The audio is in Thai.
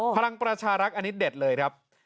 พลังประชารัฐอันนี้เด็ดเลยครับ